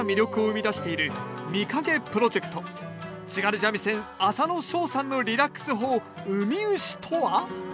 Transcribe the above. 三味線浅野祥さんのリラックス法「ウミウシ」とは？